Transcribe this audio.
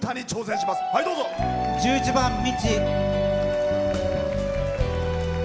１１番「道」。